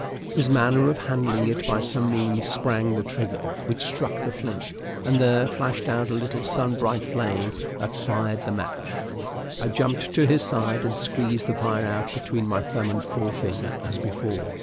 His manner of handling it by some means sprang the trigger, which struck the flint, and there flashed out a little sun bright flame that fired the match. I jumped to his side and squeezed the fire out between my thumb and forefinger as before.